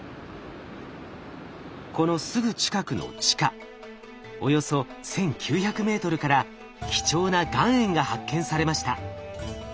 このすぐ近くの地下およそ１，９００ｍから貴重な岩塩が発見されました。